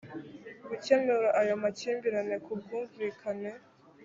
gukemura ayo makimbirane ku bwumvikane